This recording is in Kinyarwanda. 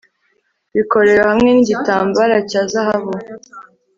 Bikorewe hamwe nigitambara cya zahabu